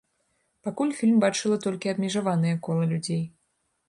Пакуль фільм бачыла толькі абмежаванае кола людзей.